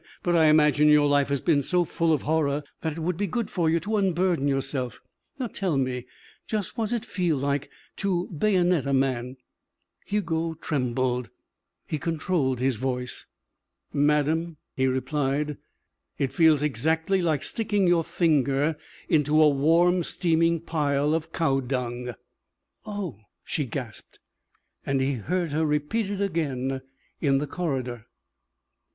But I imagine your life has been so full of horror that it would be good for you to unburden yourself. Now tell me, just what does it feel like to bayonet a man?" Hugo trembled. He controlled his voice. "Madam," he replied, "it feels exactly like sticking your finger into a warm, steaming pile of cow dung." "Oh!" she gasped. And he heard her repeat it again in the corridor.